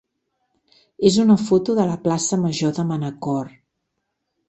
és una foto de la plaça major de Manacor.